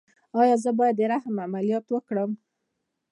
ایا زه باید د رحم عملیات وکړم؟